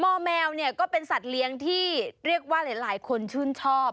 อแมวเนี่ยก็เป็นสัตว์เลี้ยงที่เรียกว่าหลายคนชื่นชอบ